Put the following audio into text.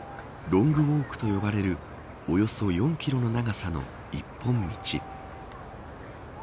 ロングウォークと呼ばれるおよそ４キロの長さの一本道。